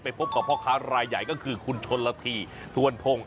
พบกับพ่อค้ารายใหญ่ก็คือคุณชนละทีทวนพงศ์